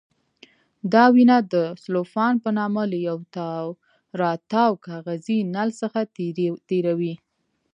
دا وینه د سلوفان په نامه له یو تاوراتاو کاغذي نل څخه تېروي.